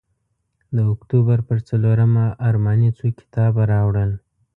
د اکتوبر پر څلورمه ارماني څو کتابه راوړل.